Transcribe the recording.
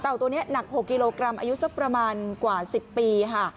ตัวนี้หนัก๖กิโลกรัมอายุสักประมาณกว่า๑๐ปีค่ะ